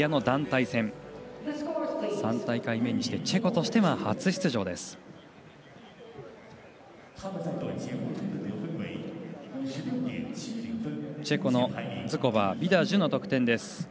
３大会目にしてチェコとしては初出場です。